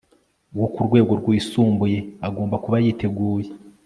wo ku rwego rwisumbuye agomba kuba yiteguye